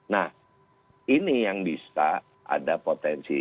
nah ini yang bisa ada potensi